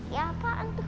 ya apaan tuh